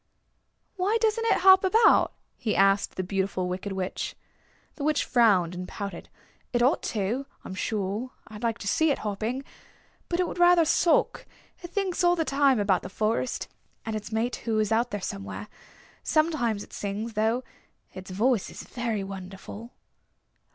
"Why doesn't it hop about?" he asked the Beautiful Wicked Witch. The Witch frowned and pouted. "It ought to, I'm sure. I like to see it hopping. But it would rather sulk. It thinks all the time about the forest, and its mate who is out there somewhere. Sometimes it sings, though. Its voice is wonderful."